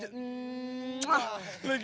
jangan madi sama ada memuara